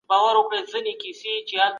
زرخاوره